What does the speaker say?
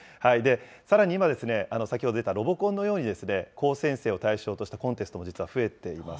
さらに今、先ほど出たロボコンのように、高専生を対象としたコンテストも実は増えています。